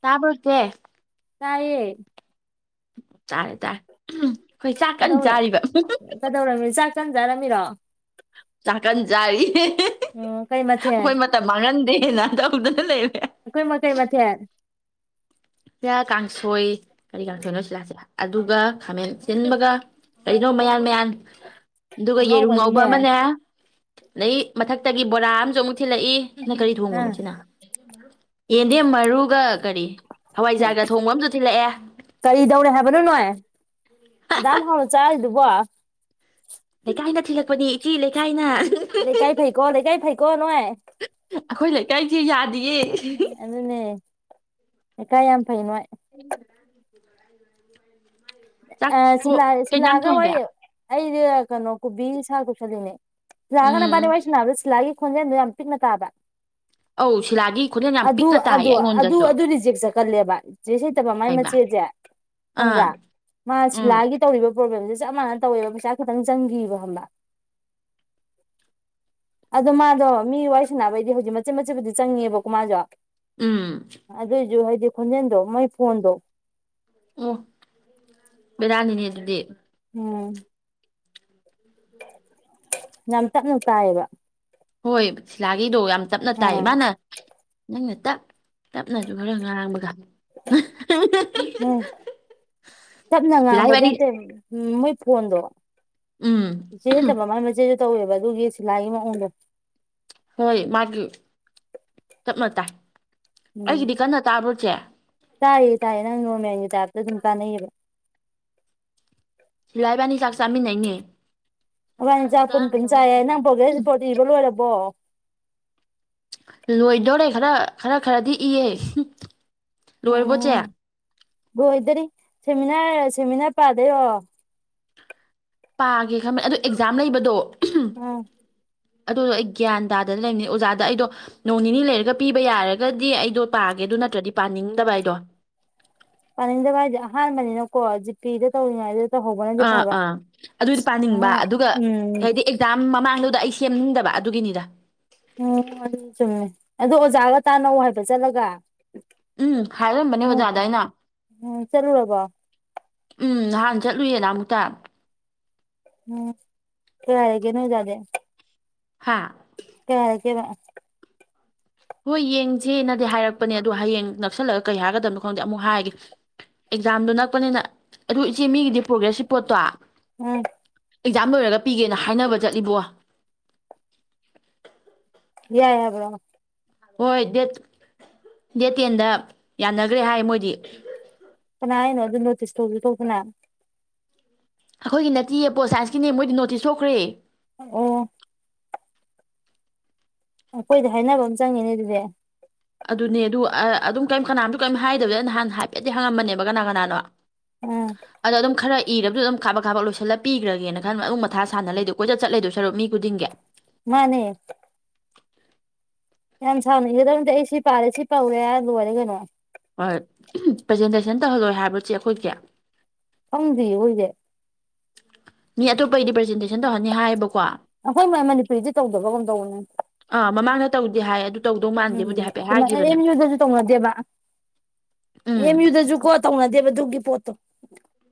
ꯆꯥꯕꯔꯀꯦ ꯇꯌꯦ [unintelligible] ꯆꯥꯔꯦ ꯆꯥꯔꯦ ꯑꯩꯈꯣꯏ ꯆꯥꯛ ꯀꯟꯅ ꯆꯥꯔꯤꯕ ꯆꯟꯖꯥꯔꯃꯤꯔꯥ ꯆꯀꯅꯖꯔꯤ ꯎꯝ ꯀꯩ ꯃꯊꯦꯜ ꯑꯩꯣꯏ ꯑꯩꯈꯣꯏ ꯃꯇꯝ ꯃꯥꯡꯍꯟꯗꯦꯦ ꯇꯧꯗꯅ ꯂꯩꯔꯦ ꯃ ꯀꯩ ꯃꯊꯦꯜ ꯁꯤꯗ ꯀꯥꯡꯁꯣꯏ ꯀꯔꯤ ꯀꯥꯡꯁꯣꯏꯅꯣ ꯁꯤꯂꯥꯛꯁꯤꯦ ꯑꯗꯨꯒ ꯈꯥꯃꯦꯟ ꯁꯤꯟꯕꯒ ꯀꯔꯤꯅꯣ ꯃꯌꯥꯟ ꯃꯌꯥꯟ ꯑꯗꯨꯒ ꯌꯦꯔꯨꯝ ꯉꯧꯕ ꯑꯍꯥꯎꯕꯅꯤꯅꯦ ꯑꯃꯅꯦ ꯂꯩꯗ ꯃꯊꯛꯇꯒꯤ ꯕꯣꯔꯥ ꯑꯃꯁꯨ ꯑꯃꯨꯛ ꯊꯤꯜꯂꯛꯏ ꯅꯪ ꯀꯔꯤ ꯑꯥ ꯊꯣꯡꯕꯅꯣ ꯁꯤꯅ ꯌꯦꯗꯤ ꯃꯔꯒ ꯀꯔꯤ ꯍꯋꯥꯏꯖꯥꯔꯒ ꯊꯣꯡꯕ ꯑꯃꯁꯨ ꯊꯤꯜꯂꯛꯑꯦ ꯀꯔꯤ ꯇꯧꯔꯦ ꯍꯥꯏꯕꯅꯣ ꯅꯣꯏ ꯑꯦꯖ ꯍꯥꯎꯅ ꯆꯥꯁꯤꯗꯨ ꯋꯥ ꯋꯥ ꯂꯩ ꯀꯥꯏꯅ ꯊꯤꯜꯂꯛꯄꯅꯤ ꯏꯆꯦ ꯂꯩ ꯆꯥꯏꯅꯥ ꯂꯩꯀꯥꯏ ꯐꯩꯀꯣ ꯂꯩꯀꯥꯏ ꯐꯩꯀꯣ ꯅꯣꯏꯥꯏ ꯑꯩꯈꯣꯏ ꯂꯩꯀꯥꯏꯁꯦ ꯌꯥꯗꯤꯌꯦ ꯑꯗꯨꯅꯦ ꯀ ꯀꯥꯏ ꯌꯥꯝ ꯐꯩꯅꯣ ꯍ ꯑ ꯊꯣ ꯁꯤꯂ ꯀꯩ ꯁꯤꯂ ꯏꯟꯖꯥꯡ ꯑꯒꯥꯡ ꯊꯣꯡꯒꯦ ꯋꯥꯔꯤ ꯑꯩꯗ ꯌꯥ ꯀ ꯅꯣꯛ ꯁꯥ ꯈ ꯈꯨꯁꯗꯅꯦ ꯂꯒꯅ ꯎꯝ ꯄꯅꯤꯦ ꯑꯣꯏꯥꯏꯁꯤꯅ ꯁꯤ ꯂ ꯈꯣꯟꯖꯦꯜꯗꯨꯣ ꯌꯥꯝ ꯄꯤꯛꯅ ꯇꯥꯕ ꯑꯧ ꯁꯤꯂꯥꯒꯤ ꯈꯣꯟꯖꯦꯜ ꯌꯥꯝ ꯑꯗꯨ ꯄꯤꯛꯅ ꯇꯥꯏꯌꯦ ꯑꯗꯨ ꯑꯗꯨ ꯑꯩꯉꯣꯟꯗꯁꯨ ꯑꯗꯨ ꯔꯤꯖꯦꯛ ꯆꯠꯀꯜꯂꯦꯕ ꯏꯆꯦ ꯁꯇꯕ ꯃꯥꯏ ꯍꯩꯃ ꯃꯆꯦꯁꯦ ꯑꯥ ꯈꯪꯕ꯭ꯔꯥ ꯎꯝ ꯃꯥꯁꯤꯂꯒꯤ ꯇꯧꯕ ꯭ꯔꯣ꯭ꯂꯦꯝꯁꯦ ꯆꯞ ꯃꯥꯟꯅ ꯇꯧꯋꯦꯕ ꯄꯩꯁꯥ ꯈꯛꯇꯪ ꯆꯪꯈꯤꯕ ꯈꯕ ꯑꯗꯣ ꯃꯥꯗꯣ ꯃꯤ ꯋꯥꯔꯤꯏ ꯁꯥꯟꯅꯕꯩꯗꯤ ꯍꯧꯖꯤꯛ ꯃꯆꯦꯠ ꯃꯆꯦꯠꯄꯨꯗꯤ ꯆꯪꯉꯦꯕꯀꯣ ꯃꯥꯁꯨ ꯎꯝ ꯑꯗꯨꯏꯖꯨ ꯍꯥꯏ ꯈꯣꯟꯖꯦꯟꯗꯣ ꯃꫭꯏ ꯐꯣꯟꯗꯣ ꯑꯣ ꯌꯥꯥꯅꯤꯅꯦ ꯑꯗꯨꯗꯤ ꯎꯝ ꯌꯥꯝ ꯇꯞꯅ ꯇꯥꯏꯌꯦꯕ ꯍꯣꯏ ꯁꯤꯂꯥꯒꯤꯗꯣ ꯌꯥꯝꯇꯞꯅ ꯇꯥꯏ ꯎꯝ ꯃꯥꯅ ꯅꯪꯅ ꯇꯞ ꯇꯞꯅꯁꯨ ꯈꯔ ꯉꯥꯡꯕꯗ ꯎꯝ ꯇꯞꯅ [unintelligible] ꯁꯤꯂ ꯉꯥꯡꯕꯗ ꯏꯕꯥꯅꯤ ꯅꯠꯇꯦ ꯎꯝ ꯃꯣꯏ ꯐꫭꯟꯗꫭ ꯎꯝ [unintelligible] ꯃꯥꯆꯦ ꯇꯧꯋꯦꯕ ꯑꯗꯨꯒꯤ ꯁꯤꯂꯥꯏ ꯃꯑꯣꯡꯗꯣ ꯍꯣꯏ ꯃꯥꯒꯤ ꯇꯞꯅ ꯇꯥꯏ ꯎꯝ ꯑꯩꯒꯤꯗꯤ ꯀꯟꯅ ꯇꯥꯕ꯭ꯔꯣ ꯆꯦ ꯇꯌꯦ ꯇꯥꯏꯌꯦ ꯅꯪ ꯅꫭꯔꯃꯦꯜ ꯇꯔ ꯑꯗꯨꯗ ꯑꯗꯨꯝ ꯀꯥꯟꯅꯩꯌꯦꯕ ꯁꯤꯂꯥꯏꯕꯥꯅꯤ ꯆꯥꯛ ꯆꯥꯃꯤꯟꯅꯩꯅꯤ ꯅꯥꯕꯥꯅꯤ ꯆꯥꯛ ꯄꯨꯟ ꯄꯨꯟ ꯆꯥꯏ ꯅꯪ ꯄꫭꯔꯒꯦꯁ ꯔꯤꯃꫭꯠ ꯏꯕ ꯂꯣꯏꯔꯕꯣ ꯂꯣꯏꯗꯣꯔꯦ ꯈꯔ ꯈꯔ ꯈꯔꯗꯤ ꯏꯑꯦ ꯎꯝ ꯂꫭꯏꯗꯔꯤ ꯁꯦꯃꯤꯅꯥꯔ ꯁꯦꯃꯤꯅꯥꯔ ꯄꯥꯗꫭꯏꯔꯣ ꯄꯥꯒꯦ ꯈꯪꯃꯦ ꯑꯣ ꯑꯦꯛꯖꯥꯝ ꯂꯩꯕꯗꯣ ꯎꯝ ꯑꯗꯨꯗꯣ ꯑꯩ ꯒ꯭ꯌꯥꯟ ꯇꯥꯗꯅ ꯂꯩꯕꯅꯤ ꯑꯣꯖꯥꯗ ꯑꯩꯗꯣ ꯅꯣꯡ ꯅꯤꯅꯤ ꯂꯩꯔꯒ ꯄꯤꯕ ꯌꯥꯔꯒꯗꯤ ꯑꯩꯗꯣ ꯄꯥꯒꯦ ꯑꯗꯨ ꯅꯠꯇ꯭ꯔꯗꯤ ꯄꯥꯅꯤꯡꯗꯕ ꯑꯩꯗꯣ ꯄꯥꯅꯤꯡꯗ ꯍꯥꯏꯖꯦ ꯑꯍꯥꯟꯕꯅꯤꯅꯀꯣ ꯖꯤꯄꯤꯗ ꯇꯧꯔꯤꯉꯥꯏꯗ ꯑꯥ ꯑꯥ ꯑꯗꯨꯗꯤ ꯄꯥꯅꯤꯡꯕ ꯉꯍꯥ ꯑꯗꯨꯒ ꯎꯝ ꯍꯥꯏꯗꯤ ꯑꯦꯛꯖꯥꯝ ꯃꯃꯥꯡ ꯑꯗꯨꯗ ꯑꯩ ꯁꯦꯝꯅꯤꯡꯗꯕ ꯑꯗꯨꯒꯤꯅꯤꯗ ꯇꯥꯅꯧ ꯍꯥꯏꯕ ꯆꯠꯂꯒ ꯎꯝ ꯍꯥꯏꯔꯝꯕꯅꯦ ꯎꯝ ꯑꯣꯖꯥꯗ ꯑꯩꯅ ꯎꯝ ꯆꯠꯂꯨꯔꯕꯣ ꯎꯝ ꯅꯍꯥꯟ ꯆꯠꯂꯨꯌꯦꯅ ꯑꯃꯨꯛꯇ ꯎꯝ ꯀꯌꯥ ꯏꯒꯦ ꯅꫭꯏ ꯑꯗꯥꯏꯗꯩ ꯍꯥ ꯀꯌꯥ ꯏꯒꯦꯕ ꯍꯣꯏ ꯌꯦꯡꯁꯦꯅꯗꯤ ꯍꯥꯏꯔꯛꯄꯅꯦ ꯑꯗꯨ ꯍꯌꯦꯡ ꯅꯛꯁꯜꯂꯒ ꯀꯩ ꯍꯥꯏꯒꯗꯕꯅꯣ ꯈꯪꯗꯦ ꯑꯃꯨꯛ ꯍꯥꯏꯔꯒꯦ ꯑꯦꯛꯖꯥꯝꯗꯣ ꯅꯛꯄꯅꯤꯅ ꯑꯗꯨ ꯏꯆꯦ ꯃꯤꯒꯤꯗꯤ ꯄ꯭ꯔꯣꯒ꯭ꯔꯦꯁ ꯄꯣꯠꯇꯣ ꯎꯝ ꯑꯦꯛꯖꯥꯝ ꯂꯣꯏꯔꯒ ꯄꯤꯒꯦꯅ ꯍꯥꯏꯅꯕ ꯆꯠꯂꯤꯕꯣ ꯌꯥꯏ ꯍꯥꯏꯕ꯭ꯔꯣ ꯍꯣꯏ ꯗꯦꯠ ꯗꯦꯠ ꯇꯦꯟꯗ ꯌꯥꯅꯈ꯭ꯔꯦ ꯍꯥꯏ ꯃꯣꯏꯗꯤ ꯀꯅꯥ ꯍꯥꯏꯅꫭ ꯑꯗꯨ ꯅꯣꯇꯤꯁ ꯊꯣꯛꯁꯨ ꯊꫭꯛꯇꯅ ꯑꯩꯈꯣꯏꯒꯤ ꯅꯠꯇꯤꯌꯦ ꯄꯣꯜ ꯁꯥꯏꯟꯁꯀꯤꯅꯦ ꯃꯣꯏꯗꯤ ꯅꯣꯇꯤꯁ ꯊꯣꯛꯈ꯭ꯔꯦ ꯑꯣ ꯑꯩꯈꯣꯏꯗꯤ ꯍꯥꯏꯅꯕ ꯑꯃ ꯆꯪꯉꯦꯅꯦ ꯑꯗꯨꯗꯤ ꯑꯗꯨꯅꯦ ꯑꯗꯨ ꯑ ꯑꯗꯨꯝ ꯀꯩꯝ ꯀꯅꯥꯝꯁꯨ ꯀꯩꯝ ꯍꯥꯏꯗꯕꯗ ꯑꯩꯅ ꯅꯍꯥꯟ ꯍꯥꯏꯐꯦꯠꯇꯗꯤ ꯍꯪꯉꯝꯕꯅꯦꯕ ꯀꯅꯥ ꯀꯅꯥꯅꯣ ꯎꯝ ꯑꯗꯣ ꯑꯗꯨꯝ ꯈꯔ ꯏꯔꯕꯁꯨ ꯗꯨꯝ ꯀꯥꯕꯛ ꯀꯥꯕꯛ ꯂꯣꯏꯁꯤꯜꯂ ꯄꯤꯒ꯭ꯔꯒꯦꯅ ꯈꯟꯕ ꯃꯨꯛ ꯃꯊꯥ ꯁꯥꯟꯅ ꯂꯩꯗꯣ ꯀꯣꯏꯆꯠ ꯆꯠ ꯂꯩꯗꫭꯏ ꯁꯔꯨꯛ ꯃꯤ ꯈꯨꯗꯤꯡꯒꯤ ꯃꯥꯅꯦ ꯌꯥꯝ ꯁꯥꯡꯅ ꯏꯒꯗꯩ ꯅꯠꯇꯦ ꯑꯩ ꯁꯤ ꯄꯥꯔꯦ ꯁꯤ ꯇꯧꯔꯦ ꯍꯥꯏ ꯂꯣꯏꯔꯦ ꯀꯩꯅꯣ ꯍꯣꯏ ꯄ꯭ꯔꯖꯦꯟꯇꯦꯁꯟ ꯇꯧꯍꯜꯂꯣꯏ ꯍꯥꯏꯕ꯭ꯔ ꯆꯦ ꯑꯩꯈꯣꯏꯒꯤ ꯈꯪꯗꯤꯌꯦ ꯑꯈꫭꯏꯁꯦ ꯃꯤ ꯑꯇꯣꯞꯄꯩꯗꯤ ꯄ꯭ꯔꯖꯦꯟꯇꯦꯁꯟ ꯇꯧꯍꯟꯅꯤ ꯍꯥꯏꯕ ꯑꯩꯈꯣꯏ ꯃ ꯃꯅꯤꯄꯨꯔꯤꯗꯤ ꯇꯧꯗꯕꯒꯨꯝꯝ ꯇꯧꯕꯅꯦ ꯎꯝ ꯑꯥ ꯃꯃꯥꯡꯗ ꯇꯧꯗꯦ ꯍꯥꯏ ꯑꯗꯨ ꯇꯧꯗꯧ ꯃꯥꯟꯗꯦꯕꯨꯗꯤ ꯍꯥꯏꯐꯦꯠ ꯁꯃꯥꯏꯅ ꯍꯥꯏꯈꯤꯕꯅꯦ ꯑꯦꯝ ꯌꯨꯗꯁꯨ ꯇꯧꯅꯗꯦꯕ ꯑ ꯑꯦꯝ ꯎꯝ ꯌꯨꯗꯁꯨꯀꯣ ꯇꯧꯅꯗꯦꯕ ꯑꯗꯨꯒꯤ ꯄꯣꯠꯇꯣ [inaudible]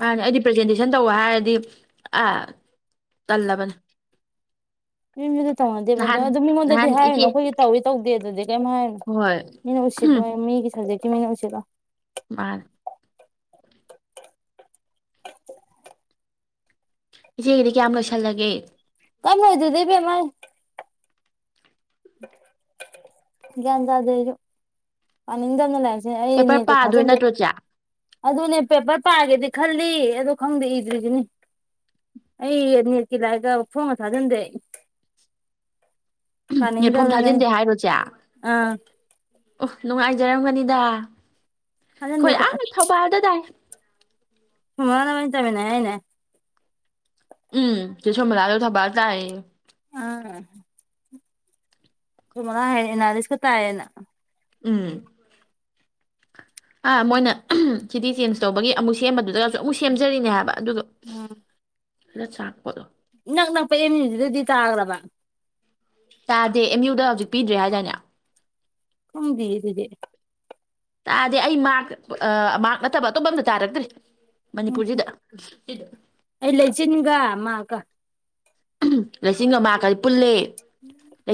ꯃꯥꯅꯤ ꯑꯩꯗꯤ ꯄ꯭ꯔꯖꯦꯟꯇꯦꯁꯟ ꯇꯧꯕ ꯍꯥꯏꯔꯗꯤ ꯑꯥ ꯇꯜꯂꯕꯅꯤ ꯑꯦꯝ ꯌꯨꯗ ꯇꯧꯅꯗꯦꯕ ꯑꯗꯣ ꯑꯗꯨ ꯃꯤꯉꯣꯟꯗꯗꯤ ꯅꯍꯥꯟ ꯍꯥꯏꯔꯨꯅꯣ ꯏꯆꯦ ꯑꯩꯈꯣꯏꯒꯤ ꯇꯧꯋꯤ ꯇꯧꯗꯦ ꯑꯗꯨꯗꯤ ꯀꯩꯝꯇ ꯍꯥꯏꯔꯨꯅꯣ ꯍꯣꯏ ꯃꯤꯅ ꯎꯁꯤꯠꯂꯣꯏ ꯃꯤꯒꯤ ꯁꯕ ꯇꯤ ꯃꯤꯅ ꯎꯁꯤꯠꯂꯣꯏ ꯃꯥꯅꯦ ꯏꯆꯦꯒꯤꯗꯤ ꯀꯌꯥꯝ ꯂꯣꯏꯁꯜꯂꯒꯦ ꯀꯩꯝ ꯂꯣꯏꯗꯦꯗ ꯏꯕꯦꯝꯃ ꯒ꯭ꯌꯥꯟ ꯇꯥꯗꯦ ꯑꯩꯁꯨ ꯄꯥꯅꯤꯡꯗꯝꯅ ꯂꯥꯏ ꯖꯦ ꯑꯩ ꯄꯦꯄꯔ ꯅꯦꯠ ꯀ ꯄꯥꯗꯣꯏ ꯊꯥꯖꯟꯗꯦ ꯅꯠꯇ꯭ꯔꯣ ꯆꯦ ꯑꯗꯨꯅꯦ ꯄꯦꯄꯔ ꯄꯥꯒꯦꯗꯤ ꯈꯜ ꯂꯤ ꯑꯗꯣ ꯈꯪꯗꯦ ꯏꯗ꯭ꯔꯤꯁꯤꯅꯤ ꯑꯩ ꯅꯦꯠꯀꯤ ꯂꯥꯏꯔꯤꯛꯀ ꯐꯣꯝꯒ ꯊꯥꯖꯟꯗꯦ ꯅꯦꯠ ꯐꯣꯝ ꯄꯥꯅꯤꯡꯗꯕꯅ ꯑꯩ ꯊꯥꯖꯟꯗꯦ ꯍꯥꯏꯔꫭ ꯆꯦ ꯑꯥ ꯑꯣ ꯅꯨꯡꯉꯥꯏꯖꯔꯝ ꯃꯅꯤꯗ ꯊꯥꯖꯟꯗꯦ ꯍꯣꯏ ꯑꯩꯈꯣꯏ ꯑꯥꯗ ꯑꯩꯈꯣꯏ ꯊꯧꯕꯥꯜꯗ ꯇꯥꯏ ꯃꫭꯅꯥ ꯅꯕꯥꯟꯅꯤ ꯇꯥꯃꯤꯟꯅꯩ ꯍꯥꯏꯔꯤꯅꯦ ꯎꯝ ꯆꯦ ꯁꫭꯃꯤꯂꯥꯁꯨ ꯊꯧꯕꯥꯜ ꯇꯥꯏ ꯑꯌꯦ ꯑ ꯁꫭꯃꫭꯂꯥ ꯍꯥꯏꯅꯦ ꯑꯦꯅꯥꯔꯤꯁꯀ ꯇꯥꯏ ꯑꯅ ꯎꯝ ꯑꯥ ꯃꯣꯏꯅ ꯁꯤꯇꯤ ꯆꯦꯟꯖ ꯇꯧꯕꯒꯤ ꯑꯃꯨꯛ ꯁꯦꯝꯕꯗꯨꯗ ꯑꯃꯨꯛ ꯁꯦꯝꯖꯔꯤꯅꯦ ꯍꯥꯏꯕ ꯑꯗꯨꯗꯣ ꯎꯝ ꯔ ꯆꯥꯥꯛꯄꯗꯣ ꯏꯅꯛ ꯅꯛꯄ ꯑꯦꯝ ꯌꯨ ꯁꯤꯗꯗꯤ ꯇꯥꯒ꯭ꯔꯕ ꯇꯥꯗꯦ ꯑꯦꯝ ꯌꯨꯗ ꯍꯧꯖꯤꯛ ꯄꯤꯗ꯭ꯔꯦ ꯍꯥꯏꯗꯥꯅꯦ ꯈꯪꯗꯤ ꯑꯗꯨꯗꯤ ꯇꯥꯗꯦ ꯑꯩ ꯃꯥꯛ ꯑ ꯃꯥꯛ ꯅꯠꯇꯕ ꯑꯇꯣꯞꯄ ꯑꯝꯇ ꯇꯥꯔꯛꯇ꯭ꯔꯤ ꯎꯝ ꯃꯅꯤꯄꯨꯔꯁꯤꯗ ꯑꯩ ꯂꯩꯆꯤꯟꯒ ꯃꯥꯛ ꯀ ꯂꯤꯁꯤꯟꯒ ꯃꯥꯛꯀ ꯄꯨꯜꯂꯦ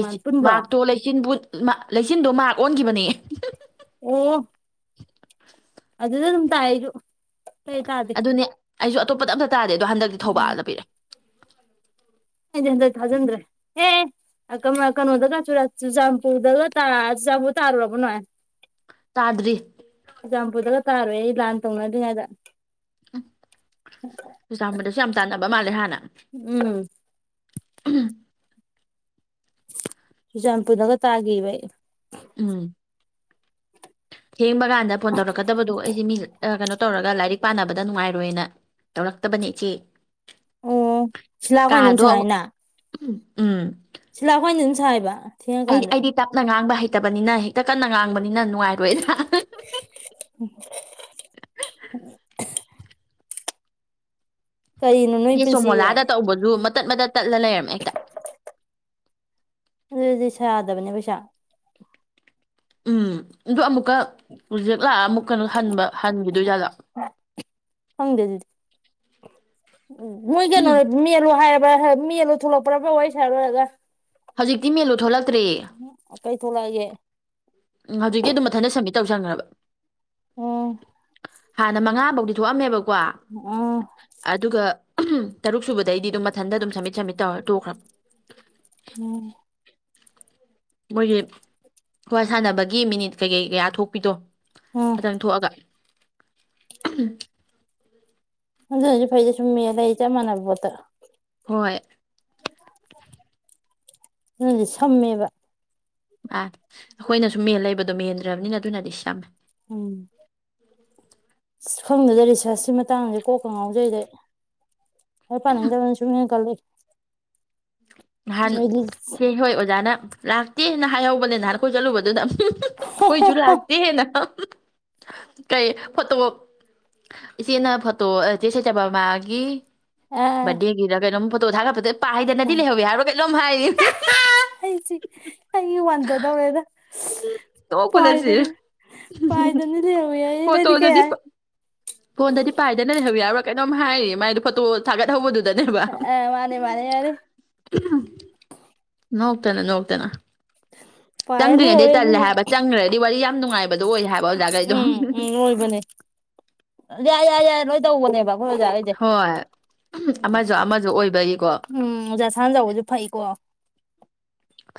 ꯃꯥ ꯄꯨꯟꯕ꯭ꯔꯣ ꯃꯥꯛꯇꯣ ꯂꯩꯆꯤꯟꯕꯨꯠ ꯃꯥ ꯂꯩꯆꯟꯗꯣ ꯃꯥꯛ ꯑꯣꯟꯘꯤꯕꯅꯦ ꯑꯣ ꯑꯗꯨꯗꯗ ꯅꯝ ꯇꯥꯏꯗꯨ ꯑꯗꯨ ꯅ ꯑꯩꯁꯨ ꯑꯇꯣꯄꯗ ꯇꯥꯔ ꯑꯗꯣ ꯍꯟꯗꯛꯇꯤ ꯊꯧꯕꯥꯜꯗ ꯄꯤꯔꯦ ꯍꯟꯥꯖꯟ꯭ꯔꯦ ꯑꯦꯦ ꯀꯩꯅꯣꯗꯒ ꯆꯨꯔꯆꯥꯟꯄꯨꯔꯗꯒ ꯆꯨꯔꯆꯥꯟꯄꯨꯔ ꯇꯥꯔꯨꯔꯕꯅꯣ ꯇꯥꯗ꯭ꯔꯤ ꯆꯩꯆꯥꯟꯄꯨꯔꯗꯒ ꯇꯥꯔꯣꯏ ꯑꯩ ꯂꯥꯟ ꯇꯧꯅꯗ꯭ꯔꯤꯉꯩꯗ ꯎꯝ ꯆꯨꯔꯆꯄꯗꯁꯨ ꯌꯥꯝ ꯆꯥꯟꯅꯕ ꯃꯕ ꯃꯥꯜꯦ ꯍꯥꯟꯅ ꯎꯝ ꯎꯝ ꯆꯨꯆꯝꯄꯨꯗꯒ ꯇꯥꯈꯤꯕꯕ ꯑꯩ ꯎꯝ ꯊꯦꯡꯕ ꯀꯥꯟꯗ ꯐꯣꯟ ꯇꯧꯔꯛꯀꯗꯕꯗꯣ ꯑꯩꯁꯦ ꯃꯤ ꯀꯩꯅꯣ ꯇꯧꯔꯒ ꯂꯥꯏꯔꯤꯛ ꯄꯥꯅꯕꯗ ꯅꯨꯡꯉꯥꯏꯔꯣꯏꯅ ꯇꯧꯔꯛꯇꯕꯅꯦ ꯏꯆꯦ ꯑꯣ ꯁꯤ ꯂꯥꯛꯀ ꯑꯗꯨꯝ ꯁꯥ ꯀꯥꯗꯣ ꯍꯥꯏꯅ ꯎꯝ ꯁꯤꯂꯥꯛꯈꯣꯏꯅ ꯑꯗꯨꯝ ꯁꯥꯏꯕ ꯑꯩꯗꯤ ꯊꯦꯡꯉꯀꯥꯟꯗ ꯑꯩꯗꯤ ꯇꯞꯅ ꯉꯥꯡꯕ ꯍꯥꯏ ꯇꯕꯅꯤꯅ ꯍꯦꯛꯇ ꯀꯟꯅ ꯉꯥꯡꯕ ꯅ ꯅꯨꯡꯉꯥꯏꯔꯣꯏꯗ ꯀꯔꯤꯅꯣ ꯅꯣꯏ ꯑꯦ ꯄꯨꯟꯁꯤ ꯁꯣꯃꯣꯂꯥꯗ ꯇꯧꯕꯁꯨ ꯃꯇꯠ ꯃꯇꯠ ꯇꯠꯂ ꯂꯩꯔꯝꯃꯦ ꯍꯦꯛꯇ ꯑꯗꯨꯗꯤ ꯁꯥꯗꯕꯅꯦ ꯄꯩꯁꯥ ꯎꯝ ꯑ ꯑꯃꯨꯛꯀ ꯍꯧꯖꯤꯛ ꯂꯥꯛꯑ ꯑꯃꯨꯛ ꯀꯩꯅꯣ ꯍꯟꯕ ꯍꯟꯈꯤꯗꯣꯏꯖꯥꯠꯗ ꯎ ꯃꯣꯏ ꯀꯩꯅꯣꯅꯦꯦ ꯃꯤꯔꯣ ꯍꯥꯏꯔꯕ ꯃ ꯃꯤꯃꯤꯂ ꯊꯅꯣꯄꯔ ꯐ ꯄ ꯋꯥ ꯁꯌꯥꯜ ꯑꯣꯏꯔꯒ ꯍꯧꯖꯤꯛꯇꯤ ꯃꯦꯜꯂꯨ ꯊꯣꯛꯂꯛꯇ꯭ꯔꯦ ꯀꯩ ꯊꯣꯛꯂꯛꯑꯒꯦ ꯎꯝ ꯍꯧꯖꯤꯛꯇꯤ ꯑꯗꯨꯝ ꯃꯊꯟꯇ ꯁꯝꯃꯤꯠ ꯇꯧꯁꯟꯈ꯭ꯔꯕ ꯎꯝ ꯍꯥꯟꯅ ꯃꯉꯥ ꯐꯧꯗꯤ ꯊꯣꯛꯑꯝꯃꯦꯕ ꯀꯣ ꯎꯝ ꯑꯗꯨꯒ ꯇꯔꯨꯛ ꯁꯨꯕꯗꯩꯗꯤ ꯑꯗꯨꯝ ꯃꯊꯟꯇ ꯑꯗꯨꯝ ꯁꯝꯃꯤꯠ ꯁꯝꯃꯤꯠ ꯇꯧꯔ ꯇꯣꯛꯈ꯭ꯔꯕ ꯎꯝ ꯃꯣꯏꯁꯦ ꯈ ꯁꯥꯟꯅꯕꯒꯤ ꯃꯤꯅꯤꯠ ꯀꯩꯀꯩ ꯀꯌꯥ ꯊꯣꯛꯄꯤꯗꯣ ꯎꯝ ꯈꯤꯇꯪ ꯊꯣꯛꯑꯒ ꯎ ꯑꯗꯨꯖꯤꯛ ꯍꯧꯖꯤꯛ ꯐꯩꯗꯤꯦ ꯁꯨꯝꯃꯦ ꯂꯩ ꯑꯩ ꯆꯞ ꯃꯥꯟꯅꯕ ꯄꯣꯠꯇ ꯍꯣꯏ ꯎꯝ ꯁꯝꯃꯦꯕ ꯑ ꯑꯩꯈꯣꯏꯅꯁꯨꯨꯝ ꯃꯦꯟ ꯂꯩꯕꯗꯣ ꯃꯦꯟꯗ꯭ꯔꯕꯅꯤꯅ ꯑꯗꯨꯅꯗꯤ ꯁꯤꯝꯃꯦ ꯎꯝ ꯁ ꯈꯪꯗꯗ ꯔꯤꯁꯥꯔꯁꯀꯤ ꯃꯇꯥꯡꯁꯦ ꯀꯣꯛꯀ ꯉꯥꯎꯖꯩꯗ ꯍ ꯄ ꯏꯗꯁꯨꯃꯤꯅ ꯀ ꯂꯩ ꯅꯍꯥꯟ ꯑꯩꯗꯤ ꯍꯦ ꯍꯣꯏ ꯑꯣꯖꯥꯅ ꯂꯥꯛꯇꯦꯅ ꯍꯥꯏꯍꯧꯕꯅꯦ ꯅꯍꯥꯟ ꯑꯩꯈꯣꯏ ꯆꯠꯂꯨꯕꯗꯨꯗ ꯑꯩꯈꯣꯏꯁꯨ ꯂꯥꯛꯇꯦꯅ ꯀꯩ ꯐꯣꯇꯣ ꯏꯆꯦꯅ ꯐꯣꯇꯣ ꯏꯆꯦ ꯁꯩꯇꯕꯃꯥꯒꯤ ꯑꯥ ꯗꯤ ꯒꯤꯔ ꯀꯩꯩꯅ ꯊ ꯄꯥꯏꯗꯅ ꯍ ꯑꯩ ꯋꯥꯗꯗꯧꯋꯦꯗ ꯎ ꯇꯣꯛꯂꯁꯤ ꯄꯥꯏꯗꯅ ꯂꯩꯍꯧꯋꯦ ꯑꯩ ꯅꯣꯏꯗꯤ ꯀꯩ ꯐꯣꯇꯣꯗꯗꯤ ꯍꯥꯏ ꯐꯣꯟꯗꯗꯤ ꯄꯥꯏꯗꯅ ꯂꯩꯍꯧ ꯌꯥꯎ ꯀꯩꯅꯣꯝ ꯍꯥꯏꯔꯤꯌꯦ ꯃꯥꯏ ꯐꯣꯇꯣ ꯊꯥꯒꯠꯍꯧꯕꯗꯨ ꯕ ꯑ ꯃꯥꯅꯦ ꯃꯥꯅꯦ ꯌꯥꯔꯦ ꯅ ꯍꯇꯦꯅ ꯅꯣꯛꯇꯅ ꯄꯥꯏꯅꯦ ꯑꯣ ꯆꯪꯗ꯭ꯔꯤꯉꯩꯗꯤ ꯇꯜꯂꯦ ꯍꯥꯏꯕ ꯆꯪꯈ꯭ꯔꯗꯤ ꯋꯥꯔꯤ ꯌꯥꯝ ꯅꯨꯡꯉꯥꯏꯕꯗꯨꯣ ꯑꯣꯏꯔꯦ ꯍꯥꯏꯕ ꯑꯣꯖꯥꯈꯩꯗꯣ ꯎꯝ ꯎꯝ ꯂꯣꯏꯕꯅꯦ ꯌꯥꯏ ꯌꯥꯏ ꯌꯥꯏ ꯅꯣꯏ ꯇꯧꯕꯅꯦꯕ ꯍꯣꯏ ꯑꯣꯖꯥ ꯑꯣꯏꯁꯦ ꯍꯣꯏ ꯑꯃꯁꯨ ꯑꯃꯁꯨ ꯑꯣꯏꯕꯒꯤꯀꯣ ꯎ ꯎꯝ ꯑꯣꯖꯥ ꯁꯥꯟꯖꯧꯕꯁꯨ ꯐꯩꯀꯣ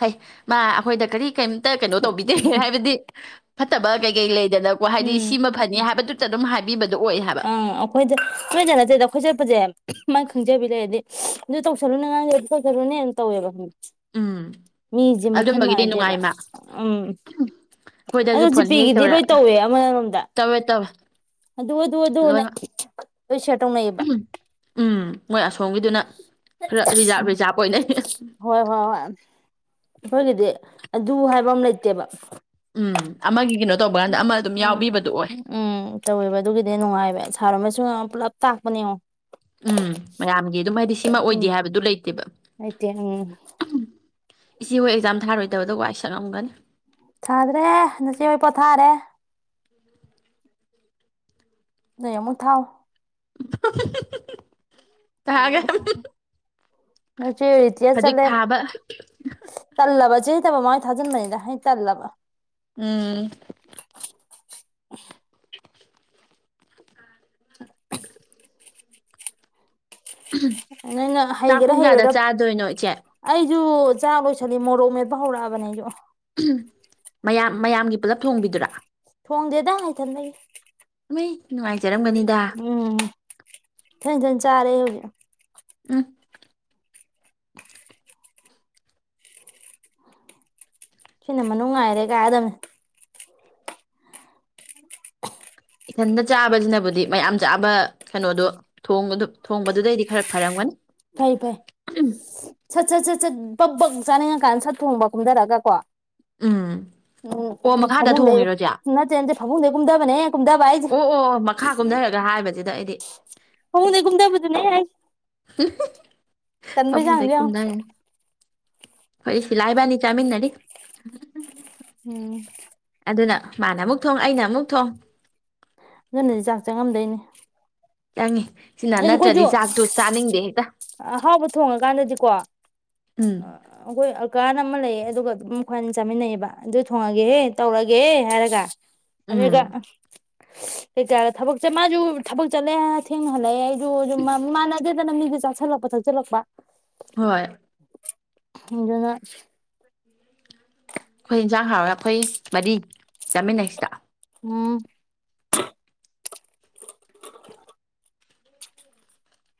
ꯐꯩ ꯃꯥ ꯑꯩꯈꯣꯏꯗ ꯀꯔꯤ ꯀꯔꯤ ꯑꯝ ꯀꯩꯅꯣ ꯇꯧꯕꯤꯗꯦ ꯍꯥꯏꯕꯗꯤ ꯐꯠꯇ ꯕ ꯀꯒ ꯏ ꯂꯩ ꯗꯅꯀꯣ ꯍꯥꯏꯗꯤ ꯎꯝ ꯁꯤꯃ ꯐꯅꯤ ꯍꯥꯏꯕꯗꯨ ꯑꯗꯨꯝ ꯍꯥꯏꯕꯤꯕ ꯑꯪ ꯑꯩꯈꯣꯏ ꯆ ꯊ ꯆꯠꯅ ꯆꯦꯗ ꯑꯩꯈꯣꯏ ꯆꯠꯄꯁꯦ ꯥꯏꯅ ꯈꯪꯖꯕꯤ ꯂꯩꯔꯗꯤ ꯑꯗꯨ ꯇꯧꯁꯜꯔꯨꯅꯦ ꯉꯥꯡꯁꯦ ꯑꯗꯨ ꯇꯧꯁꯔꯂꯨꯅꯦꯅ ꯇꯧꯋꯦꯕ ꯎꯝ ꯃꯤꯁꯦ ꯃꯈꯜ ꯑꯗꯨꯝꯕꯒꯤꯗꯤ ꯃꯥꯟꯅꯗꯦꯕ ꯅꯨꯡꯉꯥꯏꯃ ꯎꯝ ꯑꯗꯣ ꯑꯩꯈꯣꯏꯗꯁꯨ ꯐꯣꯟ ꯍꯦꯛ ꯖꯤꯄꯦꯒꯤꯗꯤ ꯂꯣꯏ ꯇꯧꯔꯛꯑꯒ ꯇꯧꯋꯦ ꯑꯃꯔꯣꯝꯗ ꯇꯧꯋꯦ ꯇꯧꯋꯦ ꯑꯗꯨ ꯑꯗꯨ ꯑꯗꯨꯅ ꯂꯣꯏꯅꯃꯛ ꯂꯣꯏꯅ ꯁꯇꯣꯛꯅꯩꯌꯦꯕꯥ ꯎꯝ ꯃꯣꯏ ꯑꯁꯣꯝꯒꯤꯗꯨꯅ ꯔꯥ ꯔꯤꯖꯥ ꯔꯤꯖꯥꯕ ꯑꯣꯏꯅꯩ ꯍꯣꯏ ꯍꯣꯏ ꯍꯣꯏ ꯑꯩꯈꯣꯏꯒꯤꯗꯤ ꯑꯗꯨ ꯍꯥꯏꯕ ꯑꯃ ꯂꯩꯇꯦꯕ ꯎꯝ ꯑꯃꯒꯤ ꯀꯩꯅꯣ ꯇꯧꯕ ꯀꯥꯟꯗ ꯑꯃ ꯑꯗꯨꯝ ꯎꯝ ꯌꯥꯎꯕꯤꯕꯗꯣ ꯑꯣꯏ ꯎꯝ ꯇꯧꯋꯦꯕ ꯑꯗꯨꯒꯤꯗꯤ ꯅꯨꯡꯉꯥꯏꯕ ꯁꯔꯥꯃꯁꯨꯉꯝ ꯄꯨꯂꯕ ꯊꯥꯛꯕꯅꯤ ꯌꯦꯉꯨ ꯎꯝ ꯃꯌꯥꯝꯒꯤ ꯑꯗꯨꯝ ꯍꯥꯏꯗꯤ ꯁꯤꯃ ꯎꯝ ꯑꯣꯏꯗꯦ ꯍꯥꯏꯕꯗꯨ ꯂꯩꯇꯦꯕ ꯂꯩꯇꯦ ꯎꯝ ꯇꯨꯗꯨꯝ ꯏꯆꯦ ꯍꯣꯌ ꯑꯦꯀꯖꯥꯝ ꯊꯥꯔꯣꯏꯗꯕꯗꯨ ꯋꯥꯏ ꯁꯥꯡꯝꯒꯅꯤ ꯊꯥꯗ꯭ꯔꯦ ꯅꯆꯦ ꯍꯣꯏ ꯄꯣꯊꯥꯔꯦ ꯅꯣꯏ ꯑꯃꯨꯛ ꯊꯥꯎ [inaudible] ꯊꯥꯒꯦ ꯅꯆꯦ ꯏꯗꯤꯌꯥ ꯍꯧꯖꯤꯛ ꯆꯂꯦ ꯊꯥꯕ ꯊꯥꯖꯟꯕꯅꯤꯗ ꯍꯩ ꯇꯥꯂꯕ ꯎꯝ ꯅꯪꯅ ꯆꯥꯛ ꯍꯩꯒꯦꯔꯥ ꯄꯨꯡ ꯀꯌꯥꯗ ꯍꯩꯔꯔ ꯆꯥꯗꯣꯏꯅꯣ ꯏꯆꯦ ꯑꯩ ꯖꯤ ꯆꯥꯥꯛ ꯂꯣꯏꯁꯜꯂꯤ ꯃꯣꯔꯣꯛ ꯃꯦꯠꯄ ꯍꯧꯔꯛꯑꯕꯅꯦ ꯑꯩꯁꯨ ꯎꯝ ꯃꯌꯥꯝ ꯃꯌꯥꯝꯒꯤ ꯄꯨꯜꯂꯞ ꯊꯣꯡꯕꯤꯗꯨꯔꯥ ꯊꯣꯡꯗꯦꯗꯪ ꯏꯊꯟꯇꯒꯤ ꯃꯤ ꯉꯥꯏ ꯆꯔꯝꯒꯅꯤꯗ ꯊꯟ ꯊꯟ ꯆꯥꯔꯦ ꯍꯧꯖꯤꯛ ꯎꯝ ꯁꯤꯅ ꯃꯅꯨꯡ ꯉꯥꯏꯔꯦ ꯀꯥꯏꯗꯡꯅꯦ ꯏꯊꯟꯗ ꯆꯥꯕꯁꯤꯅꯕꯨꯗꯤ ꯃꯌꯥꯝ ꯆꯥꯕ ꯀꯩꯅꯣꯗꯨ ꯊꯣꯡꯕꯗꯨꯗꯩꯗꯤ ꯈꯔ ꯐꯔꯝꯒꯅꯤ ꯐꯥꯏ ꯐꯥꯏ ꯁꯇ ꯁꯇ ꯁꯇ ꯆꯥꯠ ꯕ ꯕꯛ ꯆꯥꯅꯤꯡꯉꯀꯥꯟꯗ ꯁꯠ ꯊꯣꯡꯕ ꯈꯨꯝꯊꯔꯒ ꯀꯣ ꯎꯝ ꯑꯣ ꯃꯈꯥꯗ ꯊꯣꯡꯉꯤꯔꯣꯁꯦ ꯏꯆꯦ ꯐꯥꯃꯨꯡꯗꯩꯩ ꯀꯨꯝꯗꯕꯅꯦ ꯍꯦ ꯀꯨꯝꯗꯕꯍꯥꯖꯦ ꯃꯈꯥ ꯀꯨꯝꯊꯔꯒ ꯍꯥꯏꯕꯁꯤꯗ ꯑꯩꯗꯤ ꯐꯥꯃꯨꯜꯡꯗꯩꯩ ꯀꯨꯝꯗꯥꯕꯗꯨ ꯅꯦ ꯍꯥꯏ ꯐꯥꯃꯨꯡ ꯆꯥꯡꯗꯣ ꯗꯩꯩ ꯌꯦꯡꯉꯣ ꯀꯨꯝꯗꯥꯔꯦ ꯐꯩ ꯁꯤꯂꯥ ꯏꯕꯅꯤ ꯆꯥꯃꯤꯅꯔꯤ ꯎꯝ ꯑꯗꯨꯅ ꯃꯥꯅ ꯑꯃꯨꯛ ꯊꯣꯡ ꯑꯩꯅ ꯑꯃꯨꯛ ꯊꯣꯡ ꯑꯗꯨꯅꯗꯤ ꯆꯥꯛ ꯆꯪꯉꯝꯗꯣꯏꯅꯤ ꯆꯉꯤ ꯑꯗꯨ ꯑꯩꯈꯣꯏꯁꯨ ꯍꯦꯛꯇ ꯑꯍꯥꯎꯕ ꯊꯣꯡꯉꯀꯥꯟꯗꯗꯤꯀꯣ ꯎꯝ ꯑꯩꯈꯣꯏ ꯑꯀꯥꯅ ꯑꯃ ꯂꯩꯌꯦꯦ ꯑꯗꯨꯒ ꯑꯗꯨꯝ ꯈ꯭ꯋꯥꯏ ꯆꯥꯃꯤꯟꯅꯩꯑꯕ ꯑꯗꯨ ꯊꯣꯡꯉꯒꯦꯍꯦ ꯇꯧꯔꯒꯦꯍꯦ ꯍꯥꯏꯔꯒ ꯎꯝ ꯑꯗꯨꯒ ꯍꯥꯏꯇꯥꯔꯦ ꯊꯕꯛꯁꯦ ꯃꯥꯁꯨ ꯊꯕꯛ ꯆꯠꯂꯦ ꯊꯦꯡꯅ ꯍ ꯔꯣ ꯃꯃꯥ ꯅꯗꯤ ꯅ ꯃꯤꯁꯦꯥꯁꯤꯜꯂꯛꯄ ꯊꯛꯆꯜꯂꯛꯄ ꯍꯣꯏ ꯖꯉ ꯑꯩꯈꯣꯏ ꯌꯦꯟꯁꯥꯡ ꯍꯥꯎꯔ ꯈꯣꯏ ꯃꯔꯤ ꯆꯥꯃꯤꯟꯅꯩ ꯁꯤꯗ꯫ ꯎꯝ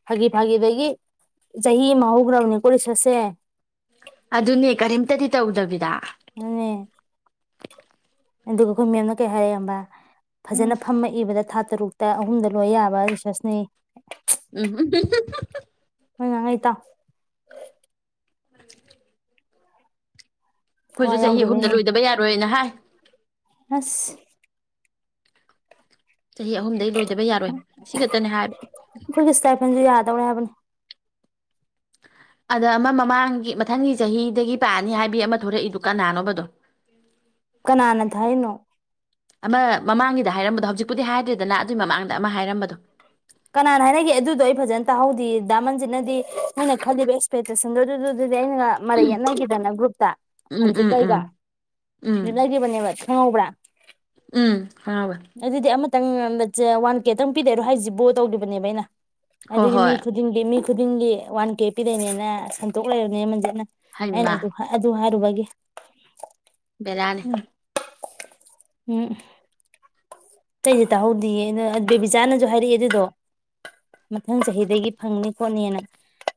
ꯐꯥꯒꯤ ꯐꯥꯒꯤꯗꯒꯤ ꯆꯍꯤ ꯑꯃ ꯍꯧꯈ꯭ꯔꯕꯅꯤꯀꯣ ꯂꯤꯁꯠꯁꯦ꯫ ꯑꯗꯨꯅꯦ ꯀꯔꯤꯝꯇꯗꯤ ꯇꯧꯗꯕꯤꯗꯥ꯫ ꯗꯨꯅꯦ ꯑꯗꯨꯒ ꯈꯣꯏ ꯃꯦꯝꯅ ꯀꯩ ꯍꯥꯏꯔꯩ ꯍꯝꯕꯥ꯫ ꯎꯝ ꯐꯖꯅ ꯐꯝꯃ ꯏꯕꯗ ꯊꯥ ꯇꯔꯨꯛꯇ ꯑꯍꯨꯝꯗ ꯂꯣꯏ ꯌꯥꯕ ꯔꯤꯁꯔꯁꯅꯦ꯫ [unintelligible] [unintelligible] [unintelligible] ꯊꯋꯥꯏ ꯈꫭꯏꯁꯨ ꯆꯍꯤ ꯑꯍꯨꯝꯗ ꯌꯥꯎꯗꯕꯩꯅꯦ ꯂꯣꯏꯗꯕ ꯌꯥꯔꯣꯏꯅ ꯍꯥꯏ꯫ ꯑꯁ ꯆꯍꯤ ꯑꯍꯨꯝꯗꯒꯤ ꯂꯣꯏꯗꯕ ꯌꯥꯔꯣꯏ ꯑꯁꯤ ꯈꯛꯇꯅꯦ ꯍꯥꯏꯕ꯫ ꯗꯧꯔꯦ ꯍꯥꯏꯕꯅꯤ ꯑꯗ ꯑꯃ ꯃꯃꯥꯡꯒꯤ ꯃꯊꯪꯒꯤ ꯆꯍꯤꯗꯒꯤ ꯄꯥꯛꯅꯤ ꯍꯥꯏꯕꯤ ꯑꯃ ꯊꯂꯛꯏꯗꯨ ꯀꯅꯥꯅꯣꯕꯗꯣ꯫ ꯀꯅꯥꯅ ꯊ ꯍꯥꯏꯅꯣ꯫ ꯑꯃ ꯃꯃꯥꯡꯒꯤꯗ ꯍꯥꯏꯔꯝꯕꯗꯣ ꯍꯧꯖꯤꯛꯄꯨꯗꯤ ꯍꯥꯏꯗ꯭ꯔꯤꯗꯅ ꯑꯗꯨꯏ ꯃꯃꯥꯡꯗ ꯑꯃ ꯍꯥꯏꯔꯝꯕꯗꯣ꯫ ꯀꯅꯥꯅ ꯍꯥꯏꯅꯒꯦ ꯑꯗꯨꯗꯣ ꯑꯩ ꯐꯖꯅ ꯇꯥꯍꯧꯗꯦ꯫ ꯗꯥ ꯃꯟꯖꯤꯠꯅꯗꯤ ꯅꫭꯏꯅ ꯈꯜꯂꯤꯕ ꯑꯦꯁꯄꯦꯇꯦꯁꯟ ꯗꫭꯗꯗ ꯗꯤ ꯑꯩꯅꯒ ꯃꯔꯩ ꯎꯝ ꯌꯦꯠꯅꯈꯤꯗꯅ ꯒ꯭ꯔꯨꯞꯇꯥ ꯎꯝ ꯑꯟꯖꯤꯠꯀ ꯑꯩꯒ ꯎꯝ ꯎꯝ ꯌꯦꯠꯅꯈꯤꯕꯅꯦꯕ ꯈꯪꯍꯧꯕ꯭ꯔꯥ ꯎꯝ ꯈꯪꯉꯕ ꯑꯗꯨꯗꯤ ꯑꯃꯠ ꯇꯪ ꯋꯥꯟ ꯀꯦꯗꯪ ꯄꯤꯗꯩꯔꯣ ꯍꯥꯏꯁꯤ ꯕꯣꯠ ꯇꯧꯔꯤꯕꯅꯦꯕ ꯑꯩꯅ ꯍꯣꯏ ꯑꯗꯨꯒꯤ ꯃꯤ ꯍꯣꯏ ꯈꯨꯗꯤꯡꯒꯤ ꯃꯤ ꯈꯨꯗꯤꯡꯒꯤ ꯋꯥꯟ ꯀꯦ ꯄꯤꯗꯩꯅꯦꯅ ꯁꯟꯇꯣꯛ ꯂꯩꯔꯕꯅꯦ ꯃꯟꯖꯤꯠꯅ꯫ ꯍꯥꯏꯅ ꯍꯩꯃꯥ ꯑꯗꯨ ꯑꯗꯨ ꯍꯥꯏꯔꯨꯕ [inaudible] ꯕꯦꯔꯥꯅꯤ ꯎꯝ ꯇꯩꯗꯤ ꯇꯥꯍꯧꯗꯤꯌꯦ ꯑꯗꯨ ꯕꯦꯕꯤꯆꯥꯅꯁꯨ ꯍꯥꯏꯔꯛꯑꯦ ꯑꯗꯨꯗꯣ ꯃꯊꯪ ꯆꯍꯤꯗꯒꯤ ꯐꯪꯅꯤ ꯈꯣꯠꯅꯤꯅ꯫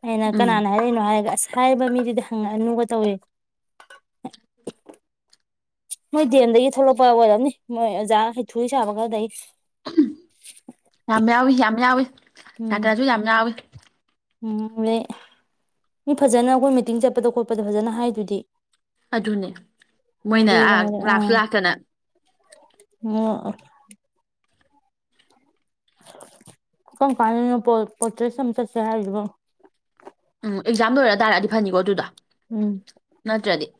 ꯑꯩꯅ ꯎꯝ ꯀꯅꯥꯅ ꯍꯥꯏꯔꯛꯏꯅꯣ ꯍꯥꯏꯔꯒ ꯑꯁ ꯍꯥꯏꯕ ꯃꯤꯗꯨꯗꯤ ꯍꯪꯉꯛꯑꯅꯨꯒ ꯇꯧꯋꯦ꯫ [inaudible] ꯃꯣꯏ ꯗꯦꯝꯗꯒꯤ ꯊꯣꯛꯂꯛꯄ ꯑꯣꯏꯔꯝꯅꯤ ꯃꯣꯏ ꯑꯣꯖꯥ ꯍꯩꯊꯨꯔꯤ ꯁꯥꯕ ꯈꯔꯗꯩ꯫ ꯌꯥꯝ ꯌꯥꯎꯋꯤ-ꯌꯥꯝ ꯌꯥꯎꯋꯤ꯫ ꯎꯝ ꯁꯥꯇ꯭ꯔꯖꯨ ꯌꯥꯝ ꯌꯥꯎꯏ꯫ ꯎꯝ ꯂꯩ ꯃꯤ ꯐꯖꯅ ꯑꯩꯈꯣꯏ ꯃꯤꯇꯤꯡ ꯆꯠꯄꯗ ꯈꯣꯠꯄꯗ ꯐꯖꯅ ꯍꯥꯏꯗꯨꯗꯤ꯫ ꯑꯗꯨꯅꯦ ꯃꯣꯏꯅ ꯍꯥꯏꯗꯤ ꯑꯥ ꯀꯩꯅꯣꯗ ꯂꯥꯛꯁꯨ ꯂꯥꯛꯇꯅ [inaudible] ꯀꯝꯀꯟꯗꯅꫭ ꯄꯠꯇ꯭ꯔꯦꯁ ꯆꯠꯁꯦ ꯍꯥꯏꯗꯨꯕꫭ ꯎꯝ ꯑꯦꯛꯖꯥꯝ ꯂꯣꯏꯔ ꯇꯥꯔꯑꯗꯤ ꯐꯅꯤꯀꯣ ꯑꯗꯨꯗ ꯎꯝ ꯅꯠꯇ꯭ꯔꯗꯤ